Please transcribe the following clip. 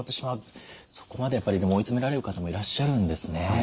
そこまでやっぱり追い詰められる方もいらっしゃるんですね。